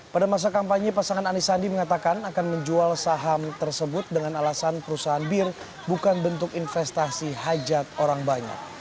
pada masa kampanye pasangan anies sandi mengatakan akan menjual saham tersebut dengan alasan perusahaan bir bukan bentuk investasi hajat orang banyak